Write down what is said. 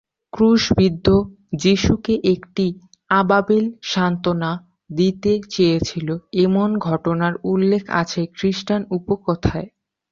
ক্রুশবিদ্ধ যিশুকে একটি আবাবিল সান্ত্বনা দিতে চেয়েছিল, এমন ঘটনার উল্লেখ আছে খ্রিস্টান উপকথায়।